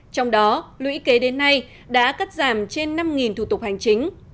trong đó lũy kế đến nay đã cắt giảm trên năm thủ tục hành chính